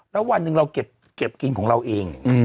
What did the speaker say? แล้ววันหนึ่งเราเก็บกินของเราเอง